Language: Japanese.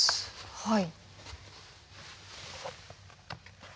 はい。